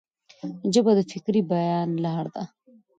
ژبه د فکري بیان لار ده.